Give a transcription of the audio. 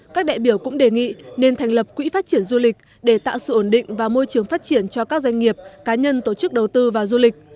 các đại biểu cũng đề nghị nên thành lập quỹ phát triển du lịch để tạo sự ổn định và môi trường phát triển cho các doanh nghiệp cá nhân tổ chức đầu tư vào du lịch